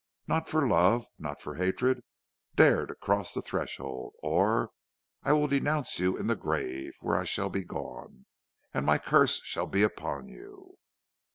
Not for love, not for hatred, dare to cross the threshold, or I will denounce you in the grave where I shall be gone, and my curse shall be upon you.'